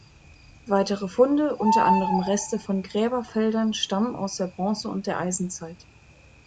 Weitere Funde, unter anderem Reste von Gräberfeldern, stammen aus der Bronze- und der Eisenzeit.